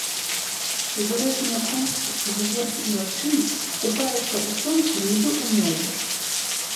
Прыбярэжныя кручы, узгоркі і лагчыны купаюцца ў сонцы, нібы ў мёдзе.